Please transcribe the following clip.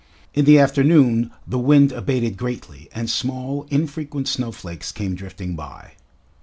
In the afternoon the wind abated greatly, and small, infrequent snowflakes came drifting by.